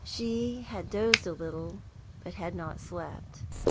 She had dozed a little, but had not slept.